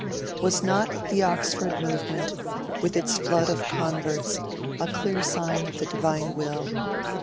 Was not the Oxford Movement, with its flood of converts, a clear sign of the Divine will?